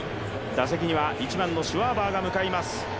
打席には、１番のシュワーバーが向かいます。